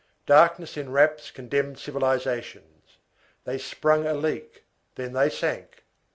Darkness enwraps condemned civilizations. They sprung a leak, then they sank.